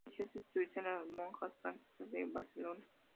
Inició sus estudios en las monjas francesas de Barcelona.